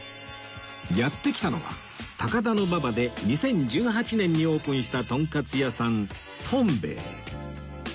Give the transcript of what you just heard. やって来たのは高田馬場で２０１８年にオープンしたとんかつ屋さんとん米